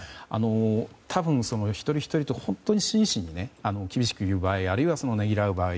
多分、一人ひとりと本当に真摯に厳しく言う場合あるいはねぎらう場合。